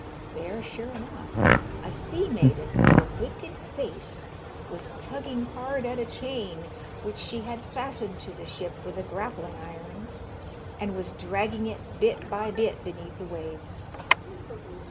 There, sure enough, a sea maiden with a wicked face was tugging hard at a chain which she had fastened to the ship with a grappling iron, and was dragging it bit by bit beneath the waves.